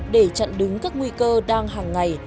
để chặn đứng các nguy cơ đang hàng ngày